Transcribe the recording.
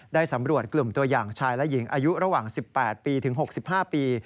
ได้สำรวจกลุ่มตัวอย่างชายและหญิงอายุระหว่าง๑๘ปีถึง๖๕ปี